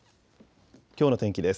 きょうの天気です。